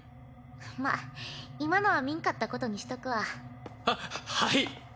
まあ今のは見んかったことにしとくわ。ははい。